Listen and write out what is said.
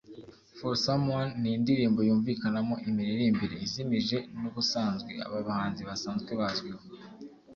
For Some One’ ni indirimbo yumvikanamo imiririmbire izimije n'ubusanzwe aba bahanzi basanzwe bazwiho